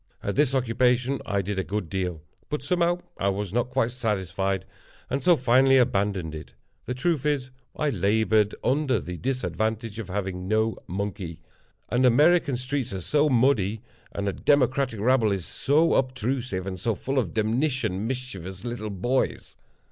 At this occupation I did a good deal; but, somehow, I was not quite satisfied, and so finally abandoned it. The truth is, I labored under the disadvantage of having no monkey—and American streets are so muddy, and a Democratic rabble is so obstrusive, and so full of demnition mischievous little boys.